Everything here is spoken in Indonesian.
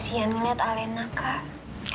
kasihan ngeliat alena kak